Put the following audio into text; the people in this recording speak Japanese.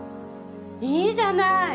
いいじゃない！